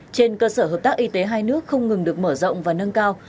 trên cơ sở hợp tác y tế hai nước không ngừng được mở rộng và nâng cao